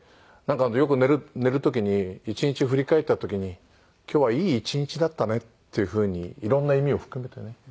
よく寝る時に一日を振り返った時に今日はいい一日だったねっていうふうにいろんな意味を含めてね